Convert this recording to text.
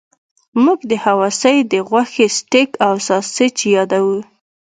موږ د هوسۍ د غوښې سټیک او ساسج یادوو